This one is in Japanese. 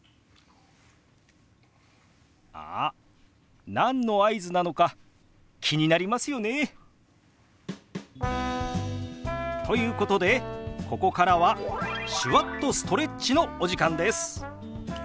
あっ何の合図なのか気になりますよね？ということでここからは手話っとストレッチのお時間です。